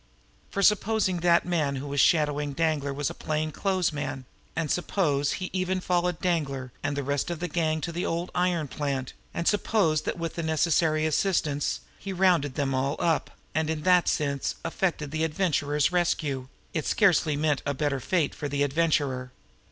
For, supposing that the man who was shadowing Danglar was a plain clothes man, and suppose he even followed Danglar and the rest of the gang to the old iron plant, and suppose that with the necessary assistance he rounded them all up, and in that sense effected the Adventurer's rescue, it scarcely meant a better fate for the Adventurer!